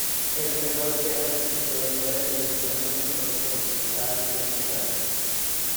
El juego alterna entre los niveles de desplazamiento horizontal y vertical.